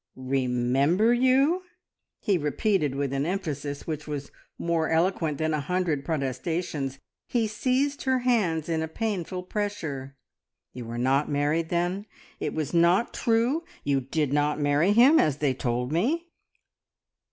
"Remember you!" he repeated with an emphasis which was more eloquent than a hundred protestations. He seized her hands in a painful pressure. "You are not married, then? It was not true! You did not marry him as they told me?"